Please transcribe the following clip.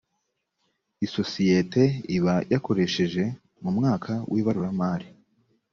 isosiyete iba yakoresheje mu mwaka w ibaruramari